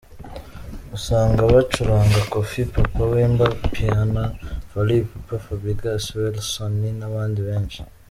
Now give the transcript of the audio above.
Usanga bacuranga Koffi , Papa Wemba ,Mpiana ,Fally Ipupa, Fabregas, Wellasoni n’abandi benshi.